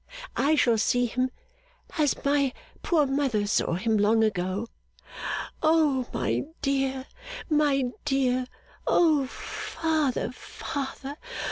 I shall see him, as my poor mother saw him long ago. O my dear, my dear! O father, father!